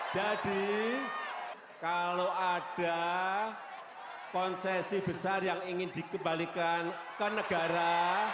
jadi kalau ada konsesi besar yang ingin dikembalikan ke negara